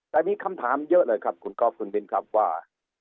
แต่มีคำถามเยอะเลยครับคุณก๊อฟคุณมินครับว่า